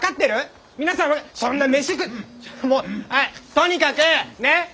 とにかくねっ？